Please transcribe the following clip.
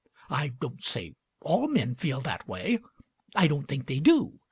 I don't say all men feel that way; I don't think they do.